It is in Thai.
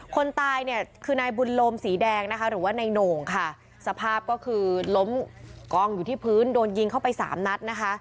คนตายเนี่ยคือนายบุญโลมสีแดงนะคะหรือว่านายโหน่งค่ะสภาพก็คือล้มกองอยู่ที่พื้นโดนยิงเข้าไปสามนัดนะคะ